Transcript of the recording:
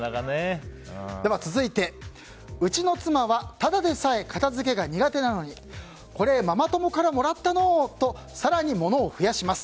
続いて、うちの妻はただでさえ片付けが苦手なのにこれ、ママ友からもらったのと更に物を増やします。